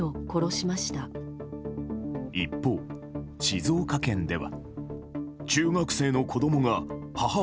一方、静岡県では。